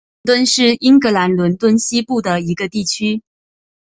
肯顿是英格兰伦敦西北部的一个地区。